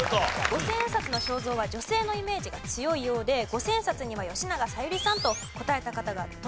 五千円札の肖像は女性のイメージが強いようで五千円札には吉永小百合さんと答えた方がとても多かったと。